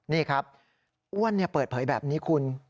นี่ครับอ้วนเปิดเผยแบบนี้คุณ